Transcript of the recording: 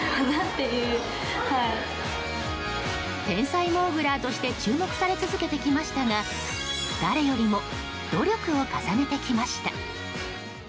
天才モーグラーとして注目され続けてきましたが誰よりも努力を重ねてきました。